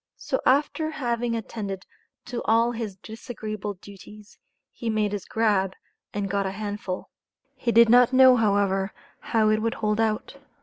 So after having attended to all his disagreeable duties, he made his "grab," and got a hand full. He did not know, however, how it would hold out.